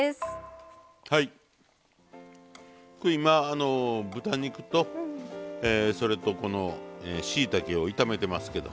今豚肉とそれとしいたけを炒めてますけど。